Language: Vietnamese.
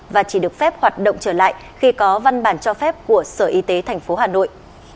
và chỉ được phép hoạt động trở lại khi có văn bản cho phép của sở y tế tp hà nội